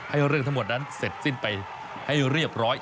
เรื่องทั้งหมดนั้นเสร็จสิ้นไปให้เรียบร้อย